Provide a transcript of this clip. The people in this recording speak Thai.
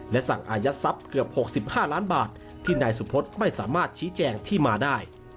และสั่งอายัดทรัพย์เกือบ๖๕ล้านบาทที่นายสุพศไม่สามารถชี้แจงที่มาได้